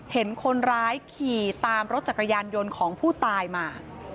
เห็นคนร้ายขี่ตามรถจักรยานยนต์ของผู้ตายมา